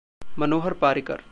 Manohar Parrikar